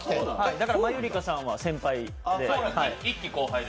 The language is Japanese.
だから、マユリカさんは先輩で。